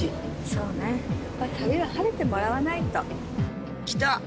そうねやっぱり旅は晴れてもらわないと。